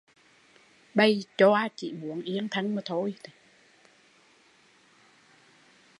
Bầy choa chỉ muốn yên thân mà thôi